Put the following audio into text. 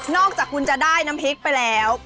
อกจากคุณจะได้น้ำพริกไปแล้ว